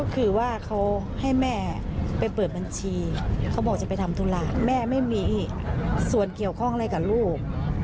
เขาบอกจะไปทำธุระแม่ไม่มีส่วนเกี่ยวข้องอะไรกับลูก